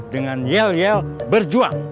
dengan yel yel berjuang